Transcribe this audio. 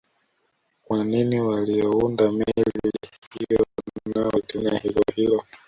Kwa nini waliounda meli hiyo nao walitumia jina hilohilo